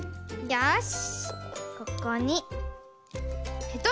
よし。